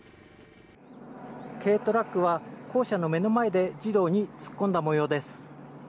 軽トラックは校舎の目の前で児童に突っ込んだ模様です。